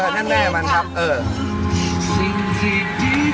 นี่แม่มันครับ